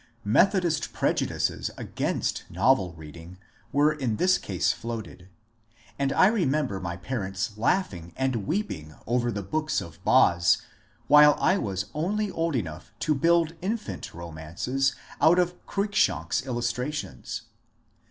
Methodist prejudices against novel read ing were in this case floated, and I remember my parents laughing and weeping over the books of ^^ Boz " while I was only old enough to build infant romances out of Cruikshank's illustrations.